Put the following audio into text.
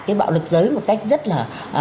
cái bạo lực giới một cách rất là